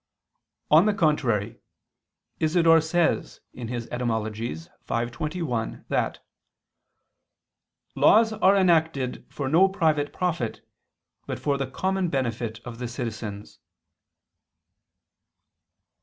On the contrary, Isidore says (Etym. v, 21) that "laws are enacted for no private profit, but for the common benefit of the citizens."